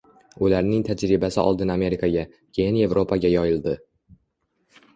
Ularning tajribasi oldin Amerikaga, keyin Yevropaga yoyildi